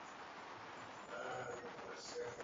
La sociedad tuvo muy pocos presidentes.